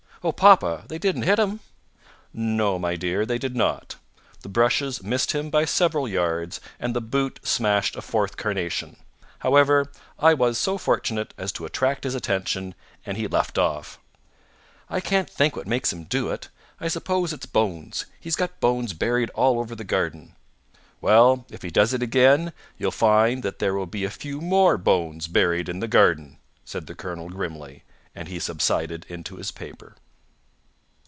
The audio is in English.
"Oh, papa! They didn't hit him?" "No, my dear, they did not. The brushes missed him by several yards, and the boot smashed a fourth carnation. However, I was so fortunate as to attract his attention, and he left off." "I can't think what makes him do it. I suppose it's bones. He's got bones buried all over the garden." "Well, if he does it again, you'll find that there will be a few more bones buried in the garden!" said the colonel grimly; and he subsided into his paper.